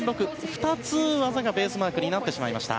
２つ、技がベースマークになってしまいました。